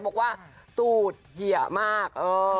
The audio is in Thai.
บอกว่าตูดเหี่ยมาก